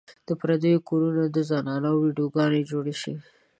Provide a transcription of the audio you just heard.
د پردو کورونو د زنانو ويډيو ګانې جوړې شي